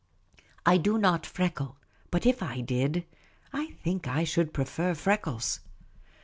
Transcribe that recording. I do not freckle, but if I did, I think I should prefer freckles.